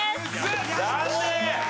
残念！